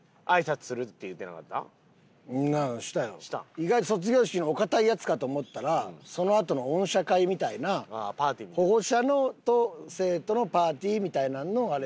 意外と卒業式のお堅いやつかと思ったらそのあとの謝恩会みたいな保護者と生徒のパーティーみたいなののあれ。